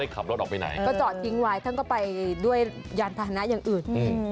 ก็จอดทิ้งไว้ทั้งก็ไปด้วยยานฐานนะอย่างอื่น